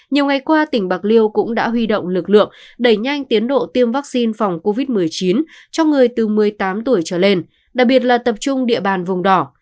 nhiều ngày qua tỉnh bạc liêu cũng đã huy động lực lượng đẩy nhanh tiến độ tiêm vaccine phòng covid một mươi chín cho người từ một mươi tám tuổi trở lên đặc biệt là tập trung địa bàn vùng đỏ